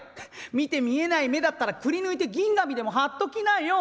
見て見えない目だったらくりぬいて銀紙でも貼っときなよ。